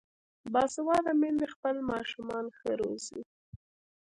باسواده میندې خپل ماشومان ښه روزي.